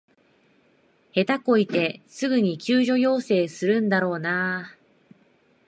下手こいてすぐに救助要請するんだろうなあ